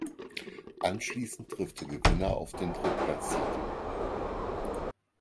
Anschließend trifft der Gewinner auf den Drittplatzierten.